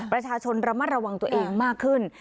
ประชาชนระมัดระวังตัวเองมากขึ้น